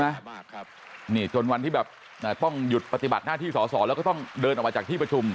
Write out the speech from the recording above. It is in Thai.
บาปครับนี่จนวันที่แบบต้องหยุดปฏิบัติหน้าที่สอสอแล้วก็ต้องเดินออกมาจากที่ประชุม